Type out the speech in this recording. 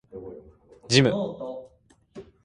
ジム